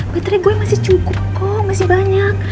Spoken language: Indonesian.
putri gue masih cukup kok masih banyak